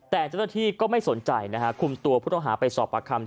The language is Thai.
แต่เจ้าหน้าที่ก็ไม่สนใจนะฮะคุมตัวผู้ต้องหาไปสอบประคำ